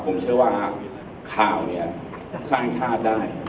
ผมเชื่อว่าข่าวเนี่ยสร้างชาติได้